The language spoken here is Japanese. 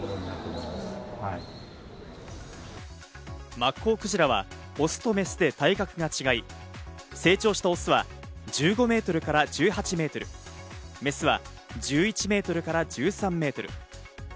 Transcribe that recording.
マッコウクジラはオスとメスで体格が違い、成長したオスは１５メートルから１８メートル、メスは１１メートルから１３メートル。